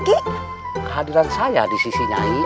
kehadiran saya di sisi nyanyi